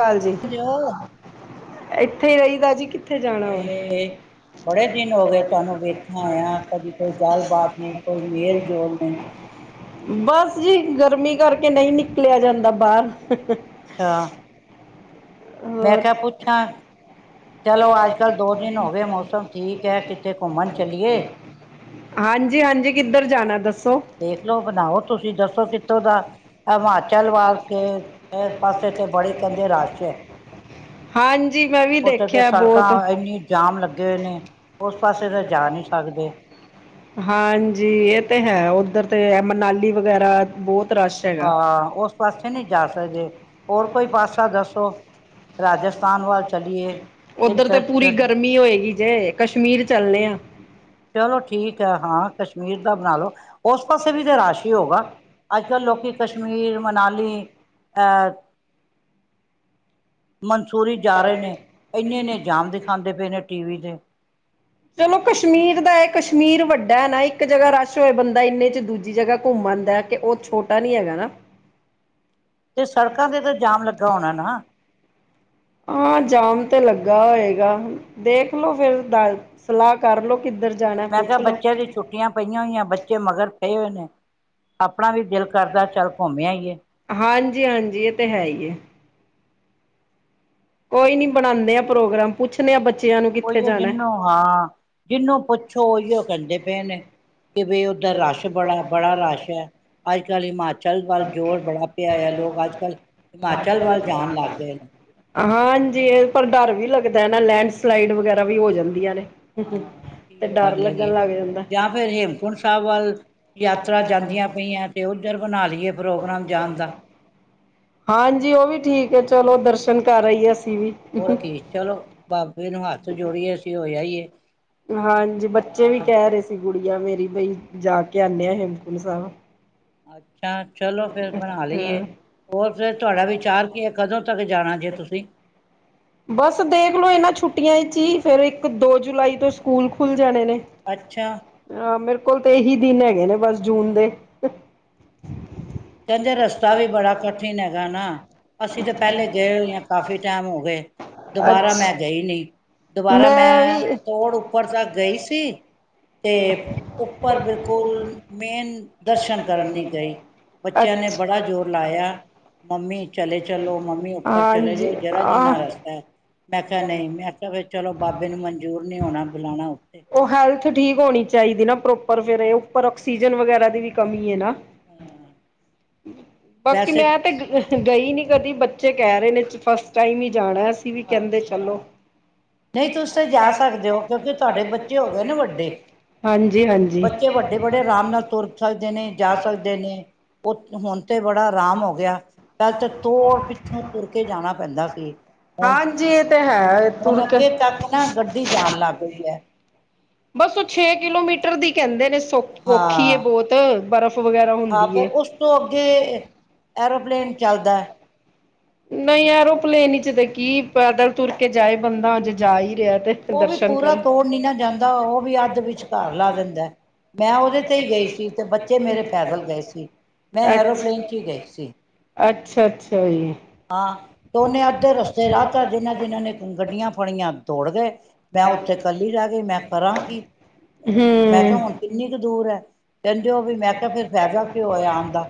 ਸਤਿ ਸ਼੍ਰੀ ਜੋ ਅਕਾਲ ਇੱਥੇ ਹੀ ਰਹੀਦਾ ਜੀ ਉਥੇ ਜਾਣਾ ਹਾਏ ਬੜੇ ਦਿਨ ਹੋ ਗਏ ਤੁਹਾਨੂੰ ਵੇਖਿਆ ਹੋਇਆ ਕਦੀ ਕੋਈ ਗੱਲਬਾਤ ਨਹੀਂ ਕੋਈ ਮੇਲ ਜੋਲ ਨਹੀਂ ਬਸ ਜੀ ਗਰਮੀ ਕਰਕੇ ਨਹੀਂ ਨਿਕਲਿਆ ਜਾਂਦਾ ਬਾਹਰ ਅੱਛਾ [inaudible] ਮੈਂ ਹੋਰ ਕਿਹਾ ਪੁੱਛਾਂ ਚਲੋ ਅੱਜ ਕੱਲ ਦੋ ਦਿਨ ਹੋ ਗਏ ਮੌਸਮ ਠੀਕ ਹੈ ਕਿਤੇ ਘੁੰਮਣ ਚਲੀਏ ਹਾਂਜੀ ਹਾਂਜੀ ਕਿੱਧਰ ਜਾਣਾ ਦੱਸੋ ਦੇਖਲੋ ਬਣਾਓ ਤੁਸੀਂ ਦੱਸੋ ਕਿੱਥੋਂ ਦਾ ਹਿਮਾਚਲ ਵਾਸ ਕੇ ਇਸ ਪਾਸੇ ਤੇ ਬੜੇ ਕਹਿੰਦੇ ਰਸ਼ ਹੈ ਹਾਂਜੀ ਮੈਂ ਵੀ ਉੱਥੇ ਤੇ ਦੇਖਿਆ ਸੜਕਾਂ ਬਹੁਤ ਇੰਨੀ ਜਾਮ ਲੱਗੇ ਹੋਏ ਨੇ ਉਸ ਪਾਸੇ ਤਾਂ ਜਾ ਨਹੀਂ ਸਕਦੇ ਹਾਂਜੀ ਇਹ ਤੇ ਹੈ ਇਧਰ ਤੇ ਹੈ ਮਨਾਲੀ ਵਗੈਰਾ ਬਹੁਤ ਰਸ਼ ਹੈਗਾ ਹਾਂ ਉਸ ਪਾਸੇ ਨਹੀਂ ਜਾ ਸਕਦੇ ਹੋਰ ਕੋਈ ਪਾਸੇ ਚਲੀਏ ਉੱਧਰ ਤੇ ਕਿੱਧਰ ਪੂਰੀ ਚਲ ਗਰਮੀ ਹੋਏਗੀ ਜੇ ਕਸ਼ਮੀਰ ਚੱਲੇ ਆ। ਚਲੋ ਠੀਕ ਹੈ ਹਾਂ ਕਸ਼ਮੀਰ ਦਾ ਬਣਾ ਲੳ। ਉਸ ਪਾਸੇ ਵੀ ਤਾਂ ਰਾਸ਼ ਹੀ ਹੋਗਾ ਅੱਜ ਕੱਲ੍ਹ ਲੋਕ ਕਸ਼ਮੀਰ, ਮਨਾਲੀ ਆ। ਮਨਸੂਰੀ ਜਾ ਰਹੇ ਨੇ ਇੰਨੇ ਇੰਨੇ ਜਾਮ ਦਿਖਾਉਂਦੇ ਪਏ ਨੇ ਟੀ ਵੀ ਤੇ। ਚਲੋ ਕਸ਼ਮੀਰ ਦਾ ਹੈ ਕਸ਼ਮੀਰ ਵੱਡਾ। ਵੱਡਾ ਹੈ ਨਾ ਇੱਕ ਜਗ੍ਹਾ ਰਸ਼ ਹੋਆ ਬੰਦਾ ਇੰਨੇ ਚ ਦੂਜੀ ਜਗ੍ਹਾ ਘੁੰਮਣ ਆਦਾ ਕਿ ਉਹ ਛੋਟਾ ਨੀ ਹੈਗਾ ਨਾ। ਤੇ ਸੜਕਾਂ ਤੇ ਤਾਂ ਜਾਮ ਲੱਗਾ ਹੋਣਾ ਨਾ। ਹਾਂ ਜਾਮ ਤੇ ਲੱਗਾ ਹੋਏਗਾ ਦੇਖਲੋ ਫਿਰ ਦੱਸ ਸਲਾਹ ਕਰਲੋ। ਮੈਂ ਕਿਹਾ ਬੱਚਿਆਂ ਦੀ ਛੁੱਟੀਆਂ ਪਈਆਂ ਹੋਈਆਂ ਬੱਚੇ ਮਗਰ। ਪਏ ਹੋਏ ਨੇ। ਆਪਣਾ ਵੀ ਦਿਲ ਕਰਦਾ ਚੱਲ ਘੁੰਮ ਆਈਏ। ਹਾਂਜੀ ਹਾਂਜੀ ਇਹ ਤੇ ਹੈ ਹੀ। ਕੋਈ ਨੀ ਬਣਾਉਂਦੇ ਆ ਪ੍ਰੋਗਰਾਮ ਪੁੱਛਣੇ ਆ ਬੱਚੇ। ਉਹੀਓ ਜਿਹਨੂੰ ਹਾਂ ਜਿਹਨੂੰ ਪੁੱਛੋ ਉਹੀਓ ਕਹਿੰਦੇ ਪਏ ਨੇ। ਕਿ ਬਈ ਉੱਧਰ ਰਸ਼ ਬੜਾ ਬੜਾ ਰਸ਼ ਹੈ ਅੱਜ ਕੱਲ੍ਹ ਹਿਮਾਚਲ ਵੱਲ ਜੋਰ ਬੜਾ ਪਿਆ ਹੈ ਲੋਕ ਅੱਜ ਕੱਲ ਹਿਮਾਚਲ ਵੱਲ ਜਾਣ ਲੱਗ ਗਏ ਨੇ। ਹਾਂਜੀ ਇਹ ਪਰ ਡਰ ਵੀ ਲੱਗਦਾ ਨਾ ਲੈਂਡਸਲਾਈਡ ਵਗੈਰਾ ਵੀ ਹੋ ਜਾਂਦੀਆਂ ਨੇ। ਹੂੰ ਹਾਂ ਤੇ ਇਹੀਓ ਡਰ ਗੱਲ ਲੱਗਣ ਹੈਗੀ ਲੱਗ ਜਾਂਦਾ। ਜਾਂ ਫਿਰ ਹੇਮਕੁੰਟ ਸਾਹਿਬ ਵੱਲ ਯਾਤਰਾ ਜਾਂਦੀਆਂ ਪਈਆਂ ਤੇ ਉੱਧਰ। ਨਾਲੀਏ। ਹਾਂਜੀ ਉਹ ਵੀ ਠੀਕ ਹੈ। ਚਲੋ ਦਰਸ਼ਨ ਕਰ ਆਈਏ ਅਸੀਂ। ਵੀ ਹੋਰ ਕੀ ਚਲੋ ਬਾਬੇ ਨੂੰ ਹੱਥ ਜੋੜੀਏ ਅਸੀਂ ਹੋਈਏ। ਹਾਂਜੀ ਬੱਚੇ ਵੀ ਕਹਿ ਰਹੇ ਸੀ । ਗੁਡੀਆ ਮੇਰੀ ਬਾਈ ਜਾ ਕੇ ਆਂਨੇ ਆ ਹੇਮਕੁੰਟ ਸਾਹਿਬ। ਅੱਛਾ। ਅੱਛਾ ਚਲੋ ਫੇਰ ਬਣਾ ਲਈਏ ਹਾਂ ਹੋਰ ਫਿਰ ਤੁਹਾਡਾ ਵਿਚਾਰ ਕੀ ਹੈ ਕਦੋਂ ਤੱਕ ਜਾਣਾ? ਆਪਾ ਜੇ ਤੁਸੀਂ। ਬਸ ਦੇਖਲੋ ਇਹਨਾਂ ਛੁੱਟੀਆਂ । ਜੀ ਫੇਰ ਇੱਕ ਦੋ ਜੁਲਾਈ ਤੋਂ ਸਕੂਲ ਖੁੱਲ। ਜਾਣੇ ਨੇ ਅੱਛਾ ਆਹ ਮੇਰੇ। ਕੋਲ ਤਾਂ ਇਹੀ ਦਿਨ ਹੈਗੇ ਨੇ ਬਸ ਜੂਨ ਦੇ। ਕਹਿੰਦੇ ਰਸਤਾ ਵੀ ਬੜਾ ਕਠਿਨ ਹੈਗਾ ਨਾ ਅਸੀਂ ਤਾਂ ਪਹਿਲੇ ਗਏ ਹੋਏ ਹਾਂ ਕਾਫੀ ਟਾਈਮ ਹੋ ਗਏ। ਦੁਬਾਰਾ ਮੈਂ ਅੱਛਾ ਗਈ ਨਹੀਂ ਦੁਬਾਰਾ ਮੈਂ, ਤੌੜ ਉੱਪਰ ਤ ਗਈ ਸੀ ਤੇ ਉੱਪਰ ਬਿਲਕੁਲ ਮੇਨ ਦਰਸ਼ਨ ਕਰਨ ਲਈ ਗਈ ਬੱਚਿਆਂ ਨੇ ਬੜਾ ਅੱਛਾ ਜ਼ੋਰ ਲਾਇਆ ਮੰਮੀ ਚਲੇ ਚਲੋ ਮੰਮੀ ਉੱਪਰ ਚਲੇ ਹਾਂਜੀ ਜਾਓ ਜਰਾ ਜਿੰਨਾ ਆਹ ਰਸਤਾ ਹੈ ਮੈਂ ਕਿਹਾਿਆ ਨਹੀਂ ਮੈਂਿਆ ਚਲੋ ਬਾਬੇ ਨੂੰ ਮਨਜੂਰ ਨੀ ਹੋਣਾ ਬੁਲਾਉਣਾ ਉੱਥੇ [unintelligible] ਉਹ ਹੈਲਥ ਠੀਕ ਹੋਣੀ ਚਾਹੀਦੀ ਨਾ ਪ੍ਰੋਪਰ ਫੇਰ ਇਹ ਉੱਪਰ ਆਕਸੀਜਨ ਵਗੈਰਾ ਦੀ ਵੀ ਕਮੀ ਹੈ ਨਾ ਹਾਂ, ਬਾਕੀ ਵੈਸੇ ਮੈਂ ਤੇ ਗਈ ਨੀ ਕਦੀ ਬੱਚੇ ਕਹਿ ਰਹੇ ਨੇ ਫਸਟ ਟਾਈਮ ਹੀ ਜਾਣਾ ਤੁਸੀ ਵੀ ਕਹਿੰਦੇ ਚਲੋ ਅੱਛਾ ਨਹੀਂ ਤੁਸੀ ਤਾਂ ਜਾ ਸਕਦੇ ਹੋ ਕਿਉਂਕਿ ਤੁਹਾਡੇ ਬੱਚੇ ਹੋ ਗਏ ਨੇ ਵੱਡੇ ਹਾਂਜੀ ਹਾਂਜੀ ਬੱਚੇ ਵੱਡੇ ਬੜੇ ਆਰਾਮ ਨਾਲ ਤੁਰ ਸਕਦੇ ਨੇ ਜਾ ਸਕਦੇ ਨੇ ਉਹ ਹੁਣ ਤੇ ਬੜਾ ਆਰਾਮ ਹੋ ਗਿਆ ਪਹਿਲ ਤਾਂ [unintelligible] ਪਿੱਛੋਂ ਤੁਰ ਕੇ ਜਾਣਾ ਪੈਂਦਾ ਸੀ ਹੁਣ ਹਾਂਜੀ ਇਹ ਤੇ ਹੈ ਤੁਰ ਹੁਣ ਕੇ ਅੱਗੇ ਤੱਕ ਨਾ ਗੱਡੀ ਜਾਣ ਲੱਗ ਗਈ ਹੈ ਬਸ ਉਹ ਛੇ ਕਿਲੋਮੀਟਰ ਦੀ ਕਹਿੰਦੇ ਨੇ ਔਖੀ ਹਾਂ ਬਹੁਤ ਬਰਫ਼ ਵਗੈਰਾ ਹਾਂ ਫਿਰ ਹੁੰਦੀ ਉਸ ਤੋਂ ਅੱਗੇ ਐਰੋਪਲੇਨ ਚੱਲਦਾ ਨਹੀਂ ਐਰੋਪਲੇਨ ਵਿੱਚ ਦੇ ਕੀ ਪੈਦਲ ਤੁਰ ਕੇ ਜਾਏ ਬੰਦਾ ਜੇ ਜਾ ਹੀ ਰਿਹਾ ਤੇ ਉਹ ਵੀ ਦਰਸ਼ਨ ਪੂਰਾ ਕਰਨ ਤੋੜ [unintelligible] ਨਿ ਨਾ ਜਾਂਦਾ ਉਹ ਵੀ ਅੱਧ ਵਿਚਕਾਰ ਲਾ ਦਿੰਦਾ ਮੈਂ ਉਹਦੇ ਤੇ ਹੀ ਗਈ ਸੀ ਤੇ ਬੱਚੇ ਮੇਰੇ ਪੈਦਲ ਗਏ ਸੀ ਮੈਂ ਐਰੋਪਲੇਨ ਚ ਹੀ ਗਈ ਸੀ ਅੱਛਾ ਅੱਛਾ ਵਆ [unintelligible] ਹਾਂ ਤੇ ਉਹਨੇ ਅੱਧੇ ਰਸਤੇ ਰਾਹਤਾ [unintelligible] ਜਿਹਨਾਂ ਜਿਹਨਾਂ ਨੇ ਗੱਡੀਆਂ ਫੜੀਆਂ ਦੌੜ ਗਏ ਮੈਂ ਉੱਥੇ ਕੱਲੀ ਰਹਿ ਗਈ ਮੈਂ ਕਰਾਂ ਕੀ ਮੈਂ ਹੂੰ ਕਿਹਾ ਹੁਣ ਕਿੰਨੀ ਕੁ ਦੂਰ ਹੈ ਕਹਿੰਦੇ ਓ ਵੀ ਮੈਂ ਕਿਹਾ ਫਿਰ ਫਾਇਦਾ ਕਿ ਹੋਇਆ ਆਉਣ ਦਾ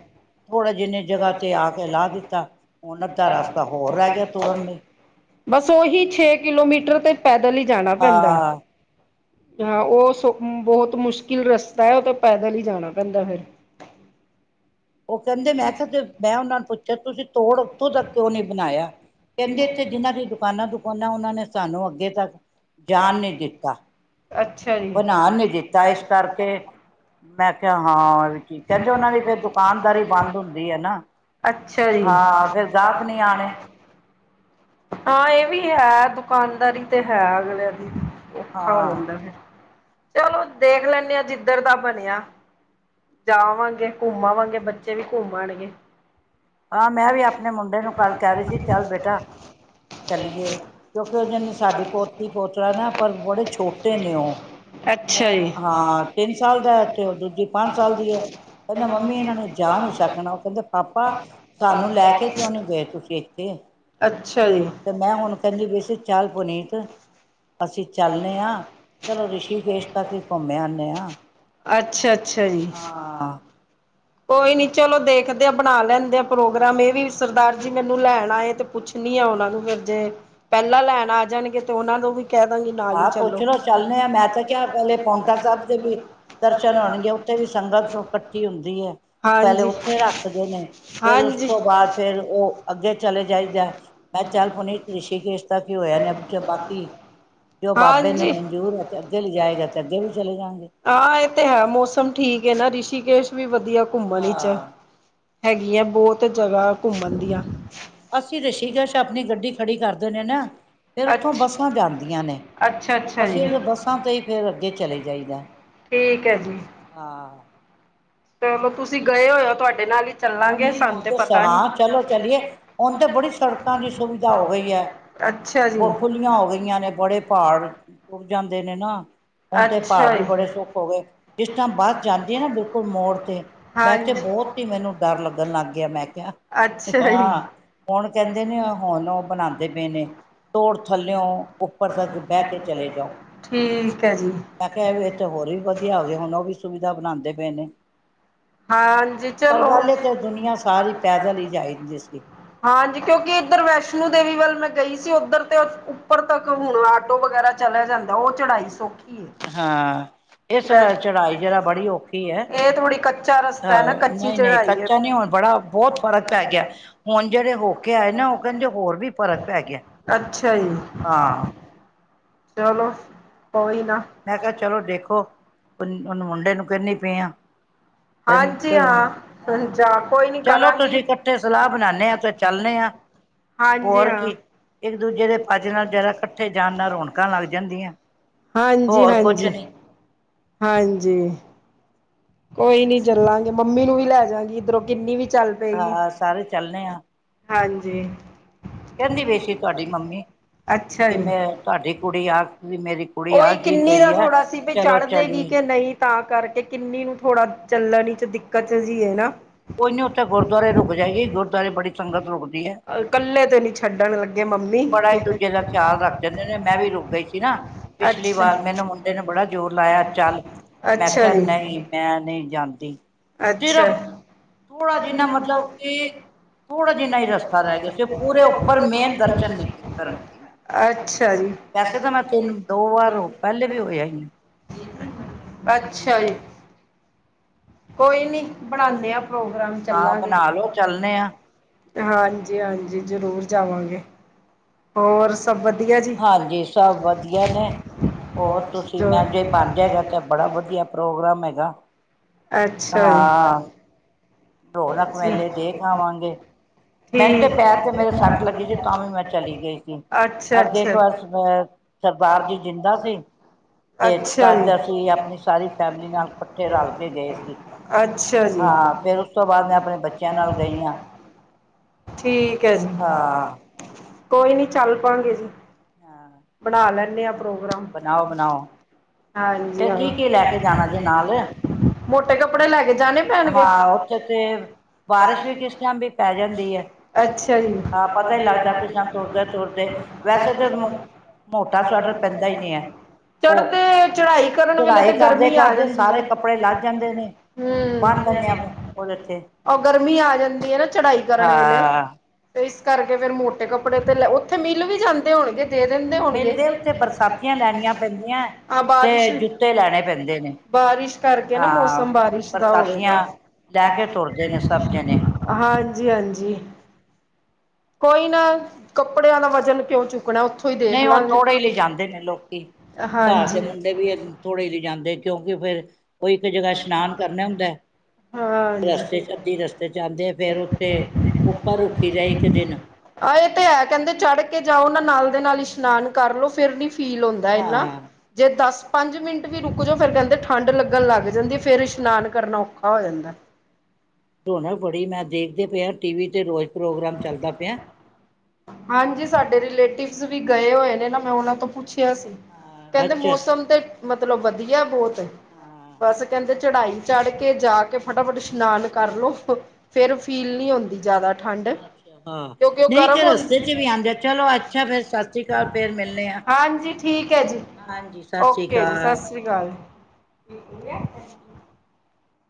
ਥੋੜ੍ਹਾ ਜਿਹੀ ਜਗ੍ਹਾ ਤੇ ਆ ਕੇ ਲਾਹ ਦਿੱਤਾ ਹੁਣ ਅੱਧਾ ਰਸਤਾ ਹੋਰ ਰਹਿ ਗਿਆ ਤੁਰਨ ਲਈ ਬਸ ਉਹੀ ਛੇ ਕਿਲੋਮੀਟਰ [unintelligible] ਤੇ ਪੈਦਲ ਹੀ ਜਾਣਾ ਪੈਂਦਾ ਹਾਂ ਹਾਂ ਉਹ ਸਗੋ ਬਹੁਤ ਮੁਸ਼ਕਿਲ ਰਸਤਾ ਹੈ ਉਹ ਤਾਂ ਪੈਦਲ ਜਾਣਾ ਪੈਂਦਾ ਫਿਰ ਉਹ ਕਹਿੰਦੇ ਮੈਂ ਕਿਹਾ ਮੈਂ ਉਹਨਾਂ ਨੂੰ ਪੁੱਛਿਆ ਤੁਸੀਂ ਧੁਰ ਉੱਥੋਂ ਤੱਕ ਕਿਉਂ ਨੀ ਬਣਾਇਆ ਕਹਿੰਦੇ ਇੱਥੇ ਜਿਹਨਾਂ ਦੀਆਂ ਦੁਕਾਨਾਂ ਉਹਨਾਂ ਨੇ ਸਾਨੂੰ ਅੱਗੇ ਤੱਕ ਜਾਨ ਨਹੀਂ ਦਿੱਤਾ ਅੱਛਾ ਜੀ। ਬਣਾਉਣ ਨਹੀ ਦਿੱਤਾ ਇਸ ਕਰਕੇ ਮੈਂ ਕਿਹਾ ਹਾਂ ਕੀ ਕਹਿੰਦੇ ਉਹਨਾਂ ਦੀ ਫਿਰ ਦੁਕਾਨਦਾਰੀ ਬੰਦ ਹੁੰਦੀ ਹੈ ਨਾ ਅੱਛਾ ਜੀ। ਹਾਂ ਫਿਰ ਗ੍ਰਾਹਕ ਨਹੀਂ ਆਣੇ। ਹਾਂ ਇਹ ਵੀ ਹੈ ਦੁਕਾਨਦਾਰੀ ਤੇ ਹੈ ਅਗਲਿਆਂ ਦੀ। ਔਖਾ ਹੋ ਹਾਂ ਜਾਂਦਾ ਫਿਰ। ਚਲੋ ਦੇਖ ਲੈਂਨੇ ਆ। ਜਿੱਧਰ ਦਾ ਬਣਿਆ ਜਾਵਾਂਗੇ ਘੁੰਮ ਆਂਵਾਂਗੇ ਬੱਚੇ ਵੀ ਘੁੰਮ ਆਉਣਗੇ ਹਾਂ, ਮੈਂ ਵੀ ਆਪਨੇ ਮੁੰਡੇ ਨੂੰ ਕੱਲ ਕਹਿ ਰਹੀ ਸੀ, ਚੱਲ ਬੇਟਾ ਚੱਲੀਏ, ਕਿਉਂਕਿ ਉਹ ਦਿਨ ਸਾਡੇ ਪੋਤੀ ਪੋਤਰਾ ਨਾ ਪਰ ਬੜੇ ਛੋਟੇ ਨੇ ਉਹ ਅੱਛਾ ਜੀ। ਹਾਂ ਤਿੰਨ ਸਾਲ ਦਾ ਤੇ ਉਹ ਦੂਜੀ ਪੰਜ ਸਾਲ ਦੀ ਹੈ, ਕਹਿੰਦਾ ਮੰਮੀ ਇਹਨਾ ਨੇ ਜਾ ਨੀ ਸਕਣਾ ਉਹ ਕਹਿੰਦੇ ਪਾਪਾ ਸਾਨੂੰ ਲੈ ਕੇ ਕਿਉਂ ਨਹੀਂ ਗਏ ਤੁਸੀਂ ਇੱਥੇ। ਅੱਛਾ ਜੀ, ਤੇ ਮੈਂ ਹੁਨ ਕਹਿੰਦੀ ਵਿਸੀ ਚਲ ਪੁਨੀਤ, ਅਸੀਂ ਚਲਨੇ ਆਂ ਚਲੋ ਰਿਸ਼ੀਕੇਸ਼ ਤੱਕ ਈ ਘੁੰਮ ਆਨੇ ਆਂ, ਅੱਛਾ ਅੱਛਾ ਜੀ। ਹਾਂ ਕੋਈ ਨੀ ਚਲੋ ਦੇਖਦੇ ਆ ਬਣਾ ਲੈਂਦੇ ਆ ਪ੍ਰੋਗਰਾਮ ਏ ਵੀ ਸਰਦਾਰ ਜੀ ਮੈਨੂੰ ਲੈਣ ਆਏ ਤੇ ਪੁੱਛਨੀ ਆ ਉਨਾਂ ਨੂੰ ਫਿਰ ਜੇ ਪਹਿਲਾਂ ਲੈਨ ਆ ਜਾਣਗੇ ਤੇ ਉਨਾਂ ਨੂੰ ਵੀ ਕਹਿਦਾਂਗੀ ਨਾਲ ਈ ਆਪ ਪੁੱਛ ਚੱਲੋ। ਲੋ ਚੱਲਣੇ ਆ ਮੈਂ ਤਾਂ ਕਿਹਾ ਪਹਿਲੇ ਪੌਂਟਾ ਸਾਹਿਬ ਦੇ ਵੀ ਦਰਸ਼ਨ ਹੋਣਗੇ ਉੱਥੇ ਵੀ ਸੰਗਤ ਇਕੱਠੀ ਹੁੰਦੀ ਪਹਿਲੇ ਹਾਂਜੀ, ਹਾਂਜੀ। ਉੱਥੇ ਰੱਖਦੇ ਨੇ ਫੇਰ ਉਸ ਤੋਂ ਬਾਦ ਫੇਰ ਉਹ ਅੱਗੇ ਚਲੇ ਜਾਈਦਾ, ਮੈਂ ਚੱਲ ਪੁਨੀਤ ਰਿਸ਼ੀਕੇਸ਼ ਦਾ ਕੀ ਹੋਇਆ ਨੇ ਬਾਕੀ ਜੋ ਬਾਬੇ ਨੂੰ ਹਾਂਜੀ, ਮਨਜੂਰ ਹੈ ਤੇ ਅੱਗੇ ਲਿਜਾਏਗਾ, ਤੇ ਅੱਗੇ ਵੀ ਚਲੇ ਜਾਂਗੇ। ਹਾਂ ਇਹ ਤੇ ਹੈ ਮੌਸਮ ਠੀਕ ਨਾ ਰਿਸ਼ੀਕੇਸ਼ ਵੀ ਵਧੀ ਵਧੀਆ ਘੁੰਮਣ ਵਿਚ ਹੈਗੀ ਹੈ, ਬੋਤ ਜਗ੍ਹਾ ਘੁੰਮਣ ਦੀਆਂ ਅਸੀ ਰਿਸ਼ੀਕੇਸ਼ ਅਪਨੀ ਗੱਡੀ ਖੜੀ ਕਰ ਦਿੰਨੇ ਨਾ। ਫੇਰ ਉੱਥੋਂ ਅੱਛਾ, ਬਸਾਂ ਜਾਂਦੀਆਂ ਨੇ, ਅੱਛਾ ਅੱਛਾ ਅਸੀਂ ਉਸ ਜੀ। ਬਸਾਂ ਤੇ ਹੀ ਫਿਰ ਅੱਗੇ ਚਲੇ ਜਾਈਦਾ ਠੀਕ ਆ। ਤੇ ਮਤਲਬ ਤੁਸੀਂ ਗਏ ਹੋਏ ਹੋ, ਤੁਹਾਡੇ ਨਾਲ ਹੀ ਆ ਚੱਲਾਂਗੇ ਨਹੀਂ ਹੁਣ ਸਾਨੂੰ ਤੇ ਪਤਾ ਨੀ ਸਮਾਂ ਚਲੋ ਚਲੀਏ ਹੁਣ ਤੇ ਬੜੀ ਸੜਕਾਂ ਦੀ ਸੁਵਿਧਾ ਹੋ ਗਈ ਐ ਅੱਛਾ ਜੀ ਖੁੱਲੀਆਂ ਹੋ ਗਈਆਂ ਨੇ, ਬੜੇ ਪਹਾੜ ਟੁਟ ਜਾਂਦੇ ਨੇ ਨਾ ਹੁਣ ਤੇ ਪਹਾੜ ਅੱਛਾ ਵੀ ਬੜੇ ਜੀ ਸੁੱਖ ਹੋ ਗਏ, ਜਿਸ ਟੈਮ ਬੱਸ ਜਾਂਦੀ ਆ ਨਾ ਬਿਲਕੁਲ ਮੋੜ ਤੇ, ਮੈ ਤੇ ਹਾਂਜੀ ਬਹੁਤ ਹੀ ਮੈਨੂੰ ਡਰ ਲੱਗਣ ਲੱਗ ਗਿਆ, ਮੈਂ ਕਿਆ ਅੱਛਾ ਜੀ ਹਾਂ ਹੁਣ ਕਹਿੰਦੇ ਨੇ ਹੁਣ ਉਹ ਬਂਣਾਦੇ ਪੇ ਨੇ ਤੋੜ ਥੱਲਿਓ ਉੱਪਰ ਤੱਕ ਬਹਿ ਕੇ ਚਲੇ ਜਾਓ, ਠੀਕ ਹੈ ਜੀ ਮੈਂ ਕਿਹਾ ਇਹ ਤੇ ਹੋਰ ਵੀ ਵਧੀਆ ਹੋ ਗਿਆ ਹੁਣ ਉਹ ਵੀ ਸੁਵਿਧਾ ਬਣਾਂਦੇ ਬਣਾਂਦੇ ਪਏ ਨੇ। ਹਾਂਜੀ ਪਰ ਚਲੋ। ਪਹਿਲੇ ਤੇ ਦੁਨੀਆਂ ਸਾਰੀ ਪੈਦਲ ਹੀ ਜਾਂਦੀ ਸੀ। ਹਾਂਜੀ, ਕਿਉਂਕਿ ਇੱਧਰ ਵੈਸ਼ਨੋ ਦੇਵੀ ਵੱਲ ਮੈਂ ਗਈ ਸੀ, ਉੱਧਰ ਤੇ ਉੱਪਰ ਤੱਕ ਹੁਣ ਆਟੋ ਵਗੈਰਾ ਚਲੈ ਜਾਂਦਾ ਔ ਚੜਾਈ ਸੌਖੀ ਹੈ ਹਾਂ। ਇਸ ਵੈਸ ਚੜਾਈ ਜਿਹੜਾ ਬੜੀ ਔਖੀ ਏ ਇਹ ਥੋੜ੍ਹੀ ਕੱਚਾ ਰਸਤਾ ਅਹ ਹੈ ਨਾ ਕੱਚੀ ਨਹੀਂ ਨਹੀਂ ਚੜਾਈ ਹੈ ਕੱਚਾ ਨੀ ਹੁਣ ਬੜਾ ਬੋਤ ਫ਼ਰਕ ਪੈ ਗਿਆ ਹੁਣ ਜਿਹੜੇ ਹੋ ਕੇ ਆਏ ਨੇ ਉਹ ਕੈੰਦੇ ਹੋਰ ਵੀ ਫ਼ਰਕ ਪੈ ਗਿਆ ਅੱਛਾ ਜੀ ਹਾਂ ਚਲੋ ਕੋਈ ਨਾ ਮੈਂ ਕਿਹਾ ਚਲੋ ਦੇਖੋ ਉਹਨੂੰ ਮੁੰਡੇ ਨੂੰ ਕਹਿਨੀ ਪਈ ਆਂ ਹਾਂਜੀ ਹਾਂ ਜਾ ਕੋਈ ਨੀ ਚਲੋ ਕਰਾਂਗੀ ਤੁਸੀਂ ਇਕੱਠੇ ਸਲਾਹ ਬਣਾਣੇ ਆ ਤੇ ਚੱਲੇ ਆ ਹਾਂਜੀ ਹੋਰ ਹਾਂ ਕੀ ਇੱਕ ਦੂਜੇ ਦੇ ਪੱਜ ਨਾਲ ਜਰਾ ਇਕੱਠੇ ਜਾਣ ਨਾਲ ਰੌਣਕਾਂ ਲੱਗ ਜਾਂਦੀਆਂ। ਹਾਂਜੀ ਹੋਰ ਕੁਛ -ਹਾਂਜੀ। ਨੀ ਹਾਂਜੀ, ਕੋਈ ਨੀ ਚੱਲਾਂਗੇ ਮੰਮੀ ਨੂੰ ਵੀ ਲੈ ਜਾਗੀ ਇੱਧਰੋਂ ਕਿੰਨੀ ਵੀ ਚੱਲ ਪਏਗੀ ਹਾਂ ਸਾਰੇ ਚੱਲਣੇ ਆ ਹਾਂਜੀ ਕਹਿੰਦੀ ਬੇਸੀ ਤੁਹਾਡੀ ਮੰਮੀ ਅੱਛਾ ਕਿ ਜੀ ਮੈਂ ਤੁਹਾਡੀ ਕੁੜੀ ਆ ਮੇਰੀ ਕੁੜੀ ਉਹੀ ਆਖਦੀ ਕਿੰਨੀ ਪਈ ਦਾ ਹੈ ਥੋੜਾ ਸੀ ਵੀ ਚਲੋ ਚੜ੍ਹ ਦੇਗੀ ਕਿ ਚਲੀਏ ਨਹੀਂ ਤਾਂ ਕਰਕੇ ਕਿੰਨੀ ਨੂੰ ਥੋੜਾ ਚੱਲਣ ਚ ਦਿੱਕਤ ਜਿਹੀ ਹੈ ਨਾ ਕੋਈ ਨਹੀਂੀ ਉੱਥੇ ਗੁਰਦੁਆਰੇ ਰੁਕ ਜਾਏਗੀ ਗੁਰਦੁਆਰੇ ਬੜੀ ਸੰਗਤ ਰੁਕਦੀ ਹੈ ਇਕੱਲੇ ਤੇ ਨਹੀਂ ਛੱਡਣ ਲੱਗੇ ਮੰਮੀ ਬੜਾ ਇੱਕ ਦੂਜੇ ਦਾ ਖਿਆਲ ਰੱਖ ਦਿੰਦੇ ਨੇ ਮੈਂ ਵੀ ਰੁਕ ਗਈ ਸੀ ਨਾ ਪਿਛਲੀ ਵਾਰ ਅੱਛਾ ਮੈਨੂੰ ਮੁੰਡੇ ਨੇ ਬੜਾ ਜ਼ੋਰ ਲਾਇਆ ਚੱਲ ਅੱਛਾ ਮੈਂਖਿਆ ਜੀ ਨਹੀਂ ਮੈਂ ਨਹੀਂ ਜਾਂਦੀ ਸਿਰਫ ਅੱਛਾ ਥੋੜਾ ਜਿਨਾ ਮਤਲਬ ਕਿ ਥੋੜਾ ਜਿਨਾ ਹੀ ਰਸਤਾ ਰਹਿ ਗਿਆ ਸੀ ਪੂਰੇ ਉੱਪਰ ਮੇਨ ਦਰ ਚੰ ਕਰਨ ਮੈਂ ਅੱਛਾ ਜੀ। ਵੈਸੇ ਤਾਂ ਮੈਂ ਤਿੰਨ ਦੋ ਵਾਰ ਪਹਿਲੇ ਵੀ ਹੋਆ ਸੀ ਅੱਛਾ ਜੀ, ਕੋਈ ਨੀ ਬਣਾਉਦੇ ਆ ਪ੍ਰੋਗਰਾਮ ਹਾਂ ਚੱਲਾਂਗੇ ਬਣਾ ਲੋ ਚੱਲਣੇ ਆ ਹਾਂਜੀ ਹਾਂਜੀ ਜਰੂਰ ਜਾਵਾਂਗੇ ਹੋਰ ਵਧੀਆ ਜੀ। ਹਾਂਜੀ ਸਭ ਵਧੀਆ ਨੇ ਹੋਰ ਤੁਸੀਂ ਮੈਂ ਜੇ ਬਣ ਜਾਏਗਾ ਤਾਂ ਬੜਾ ਵਧੀਆ ਪ੍ਰੋਗਰਾਮ ਹੈਗਾ ਅੱਛਾ ਹਾਂ ਜੀ ਰੌਣਕ ਵੇਲੇ ਦੇਖ ਆਵਾਂਗੇ ਮੈਨ ਤੇ ਠੀਕ ਪੈਰ ਤੇ ਮੇਰੇ ਅੱਛਾ ਸੱਟ ਲੱਗੀ ਸੀ ਤਾਂ ਵੀ ਮੈਂ ਚਲੀ ਗਈ ਸੀ ਅੱਗੇ ਇੱਕ ਅੱਛਾ। ਵਸ ਅਹ ਸਰਦਾਰ ਜੀ ਜਿੰਦਾ ਸੀ ਤੇ ਅੱਛਾ ਤਦ ਅਸੀਂ ਜੀ। ਆਪਣੀ ਸਾਰੀ ਫੈਮਿਲੀ ਨਾਲ ਇਕੱਠੇ ਰਲ ਕੇ ਗਏ ਸੀ ਅੱਛਾ ਜੀ ਹਾਂ ਫੇਰ ਉਸ ਤੋਂ ਬਾਅਦ ਮੈਂ ਆਪਣੇ ਬੱਚਿਆਂ ਨਾਲ ਗਈ ਹਾਂ ਠੀਕ ਹੈ ਜੀ ਹਾਂ ਕੋਈ ਨੀ ਚੱਲ ਪਾਾਂਗੇ ਜੀ ਹਾਂ ਪ੍ਰੋ [unintelligible] ਬਣਾਓ ਬਣਾਓ ਫੇਰ ਕੀ ਕੀ ਲੈ ਕੇ ਜਾਣਾ ਜੇ ਨਾਲ [unintelligible] ਮੋਟੇ ਕੱਪੜੇ ਲੈ ਗ ਜਾ ਪੈਣ ਹਾਂ ਉੱਥੇ ਤੇ ਬਾਰਿਸ਼ ਵੀ ਕਿਸ ਟਾਈਮ ਵੀ ਪੈ ਜਾਂਦੀ ਹੈ ਅਛਾ ਜੀ ਹਾਂ ਪਤਾ ਹੀ ਲੱਗਦਾ ਕਿਸ ਟਾਈਮ ਤੁਰਦੇ ਤੁਰਦੇ ਵੈਸੇ ਤਾਂ ਮੋਟਾ ਸਵੈਟਰ ਪੈਂਦਾ ਹੀ ਨਹੀਂ ਹੈ ਉਹ ਚੜਦੇ ਚੜਾਈ ਕਰਨ ਵੇਲੇ ਤੇ ਚੜਾਈ ਕਰਦੇ ਗਰਮੀ ਆ ਕਰਦੇ ਜਾਂਦੀ ਆ ਸਾਰੇ ਕੱਪੜੇ ਲੱਥ ਜਾਂਦੇ ਹਾਂਜੀ ਨੇ ਹਮ ਬੰਨ ਲੈਂਦੇ ਆ ਹਮ ਉਹਦੇ ਤੇ ਉਹ ਗਰਮੀ ਆ ਜਾਂਦੀ ਹੈ। ਨਾ ਚੜਾਈ ਕਰਨ ਵੇਲੇ ਹਾਂ ਤੇ ਕਰਕੇ ਫੇਰ ਮੋਟੇ ਕੱਪੜੇ ਤੇ ਲੈ ਉੱਥੇ ਮਿੱਲ ਵੀ ਜਾਂਦੇ ਹੋਣਗੇ ਦੇ ਦਿੰਦੇ ਹੋਣਗੇ ਮਿਲਦੇ ਉੱਥੇ ਬਰਸਾਤੀਆਂ ਲੈਣੀਆਂ ਪੈਂਦੀਆਂ ਆ ਬਾਰਿਸ਼ ਤੇ ਜੁੱਤੇ ਲੈਣੇ ਪੈਂਦੇ ਨੇ -ਬਾਰਿਸ਼ ਕਰਕੇ ਹਾਂ ਮੌਸਮ ਬਾਰਿਸ਼ ਦਾ ਹੋਵੇ। ਬਰਸਾਤੀਆਂ ਲੈ ਕੇ ਤੁਰਦੇ ਨੇ ਸਭ ਜਣੇ ਹਾਂਜੀ- ਹਾਂਜੀ। ਕੋਈ ਨਾ ਕੱਪੜਿਆਂ ਦਾ ਵਜਨ ਕਿਉਂ ਚੁੱਕਣਾ। ਉੱਥੋਂ ਹੀ ਦੇਖ ਨਹੀਂ, ਉਹ ਲਾਂਗੇ ਥੋੜੇ ਲਈ ਜਾਂਦੇ ਨੇ ਲੋਕੀ, ਘਰ ਦੇ ਹਾਂਜੀ ਮੁੰਡੇ ਵੀ ਥੋੜੇ ਲਈ ਜਾਂਦੇ। ਕਿਉਂ? ਫੇਰ ਉਹ ਇੱਕ ਜਗ੍ਹਾ ਇਸ਼ਨਾਨ ਕਰਨਾ ਹੁੰਦਾ ਹਾਂ। ਰਸਤੇ ਚ ਅੱਧੀ ਰਸਤੇ ਚ ਆਂਦੇ ਫੇਰ ਉੱਥੇ ਉੱਪਰ ਰੁਕੀ ਦਾ ਇੱਕ ਦਿਨ ਆਹ ਇਹ ਤੇ ਹੈ ਕਹਿੰਦੇ ਚੜ ਕੇ ਜਾਓ। ਉਹਨਾਂ ਨਾਲ ਦੇ ਨਾਲ ਇਸ਼ਨਾਨ ਕਰਲੋ। ਫੇਰ ਨੀ ਫੀਲ ਹੁੰਦਾ। ਇਹਨਾ ਹਾਂ ਜੇ ਦਸ ਪੰਜ ਮਿੰਟ ਵੀ ਰੁਕ ਜੋ ਫਿਰ ਕਹਿੰਦੇ ਠੰਡ ਲੱਗਣ ਲੱਗ ਗਏ। ਜਲਦੀ ਫੇਰ ਇਸ਼ਨਾਨ ਕਰਨਾ ਔਖਾ ਹੋ ਜਾਂਦਾ। ਧੋਣ ਥੋੜੀ ਮੈਂ ਦੇਖਦੇ ਪਏ ਟੀ ਵੀ ਤੇ ਰੋਜ਼ ਪ੍ਰੋਗਰਾਮ ਚੱਲਦਾ ਪਿਆ। ਹਾਂਜੀ। ਸਾਡੇ ਰਿਲੇਟਿਵ ਵੀ ਗਏ ਹੋਏ ਨੇ ਨਾ। ਮੈਂ ਉਹਨਾਂ ਤੋਂ ਪੁੱਛ ਕਿਹਾ ਸੀ। ਹਾਂ ਕਹਿੰਦੇ ਅੱਛਾ ਮੌਸਮ ਤੇ ਮਤਲਬ ਵਧੀਆ ਬਹੁਤ ਹਾਂ ਬਸ ਕਹਿੰਦੇ। ਚੜ੍ਹਾਈ ਚੜ੍ਹ ਕੇ ਜਾ ਕੇ ਫਟਾਫਟ ਇਸ਼ਨਾਨ ਕਰਲੋ। ਫੇਰ ਫੀਲ ਨਹੀ ਹੁੰਦੀ। ਜ਼ਿਆਦਾ ਠੰਡ ਹਾਂ, ਕਿਉਂਕਿ ਉਹ ਨਹੀਂ ਗਰਮ ਤੇ ਹੁੰਦੀ ਰਸਤੇ ਵੀ ਆਉਂਦੇ। ਚਲੋ, ਅੱਛਾ ।ਫੇਰ ਸਤਿ ਸ੍ਰੀ ਅਕਾਲ। ਫੇ, ਰ ਮਿਲਣੇ ਹ ਹਾਂਜੀ ਠੀਕ ਹੈ ਜੀ ਹਾਂਜੀ। ਸਤਿ ਸ੍ਰੀ ਅਕਾਲ। ਹੈ।